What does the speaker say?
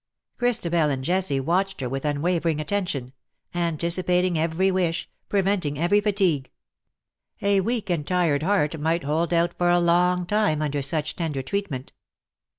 Christabel and Jessie watched her with unwavering attention — anticipating every wish, preventing every fatigue. A weak and tired heart might hold out for a long time under such tender treatment.